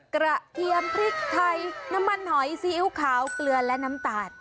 เทียมพริกไทยน้ำมันหอยซีอิ๊วขาวเกลือและน้ำตาล